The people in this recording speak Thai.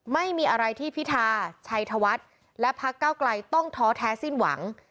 ไม่มีอะไรที่พิธาชัยธวัฒน์และพักเก้าไกลต้องท้อแท้สิ้นหวัง